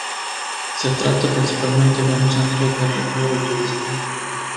Se trata principalmente de un centro de recreo y turismo.